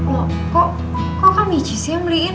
loh kok kak michi sih yang beliin